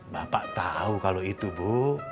bapak tau kalo itu bu